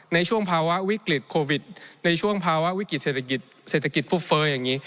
ในช่วงภาวะวิกฤตโควิดในช่วงภาวะวิกฤติเศรษฐกิจฟุบเฟ้ออย่างนี้